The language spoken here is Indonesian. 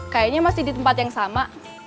kayaknya masih di tempat yang sama